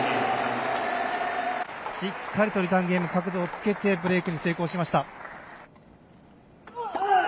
しっかりとリターンゲーム角度をつけてブレイクに成功しました。